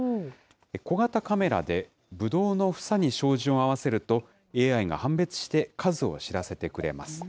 小型カメラでぶどうの房に照準を合わせると、ＡＩが判別して数を知らせてくれます。